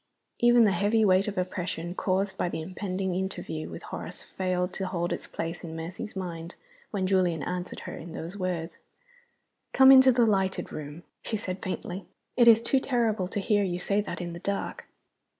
Even the heavy weight of oppression caused by the impending interview with Horace failed to hold its place in Mercy's mind when Julian answered her in those words. "Come into the lighted room," she said, faintly. "It is too terrible to hear you say that in the dark."